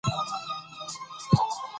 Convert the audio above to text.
په افغانستان کې د ژبو په اړه زده کړه کېږي.